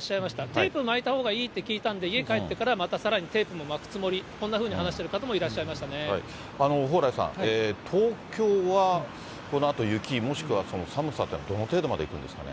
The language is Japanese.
テープ巻いたほうがいいって聞いたんで、家帰ってから、またさらにテープも巻くつもり、こんなふうに話している方もいら蓬莱さん、東京はこのあと雪、もしくは寒さっていうのはどの程度までいくんですかね。